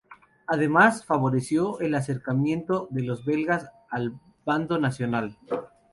Además, favoreció el acercamiento de los belgas al bando "nacional".